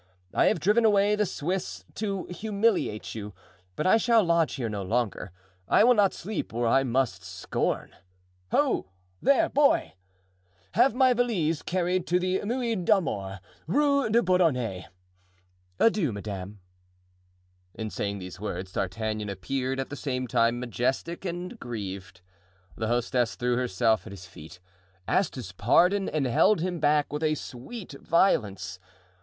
I have driven away the Swiss to humiliate you, but I shall lodge here no longer. I will not sleep where I must scorn. Ho, there, boy! Have my valise carried to the Muid d'Amour, Rue des Bourdonnais. Adieu, madame." In saying these words D'Artagnan appeared at the same time majestic and grieved. The hostess threw herself at his feet, asked his pardon and held him back with a sweet violence.